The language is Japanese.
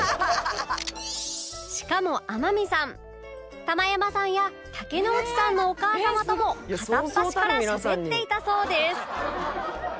しかも天海さん玉山さんや竹野内さんのお母様とも片っ端から喋っていたそうです